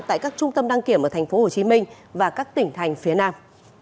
tại các trung tâm đăng kiểm ở tp hcm và các tỉnh thành phía nam